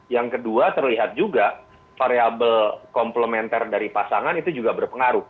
yang kedua terlihat juga variable komplementer dari pasangan itu juga berpengaruh